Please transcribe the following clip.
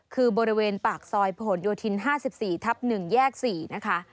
คือบริเวณปากซอยผนโยธิน๕๔ทับ๑แยก๔นะคะ